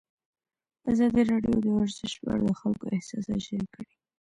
ازادي راډیو د ورزش په اړه د خلکو احساسات شریک کړي.